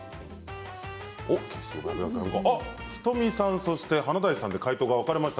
仁美さん、そして華大さんで解答が分かれました。